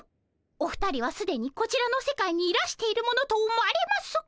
お二人はすでにこちらの世界にいらしているものと思われます。